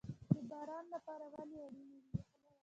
د باران لپاره ونې اړین دي